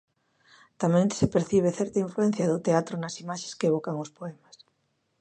Tamén se percibe certa influencia do teatro nas imaxes que evocan os poemas.